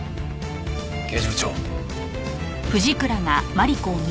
刑事部長。